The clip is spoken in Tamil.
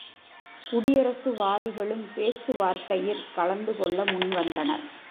குடியரசுவாதிகளும் பேச்சு வார்த்தையிற் கலந்து கொள்ள முன்வந்தனர்.